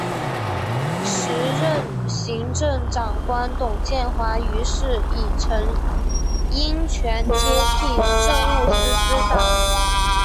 时任行政长官董建华于是以曾荫权接替政务司司长。